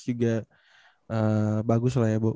juga bagus lah ya bu